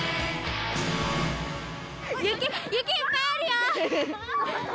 雪雪いっぱいあるよ！